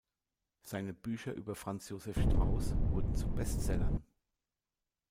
Seine Bücher über Franz Josef Strauß wurden zu Bestsellern.